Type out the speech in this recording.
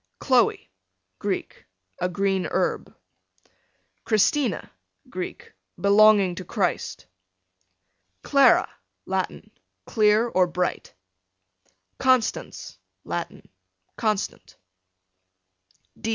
Chloe, Greek, a green herb. Christina, Greek, belonging to Christ. Clara, Latin, clear or bright. Constance, Latin, constant.